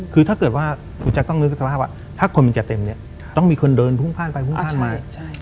คือถ้าเกิดว่าถ้าคนมันจะเต็มต้องมีคนเดินฝุ้งท่านไปฝุ้งท่านมาครับ